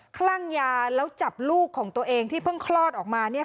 คลั่งยาแล้วจับลูกของตัวเองที่เพิ่งคลอดออกมา